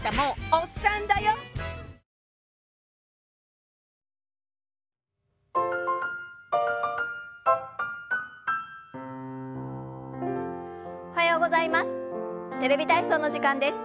おはようございます。